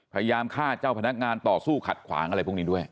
พยายามฆ่าเจ้าพนักงานต่อสู้ขัดขวางอะไรพวกนี้ด้วย